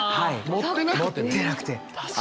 盛ってなくて。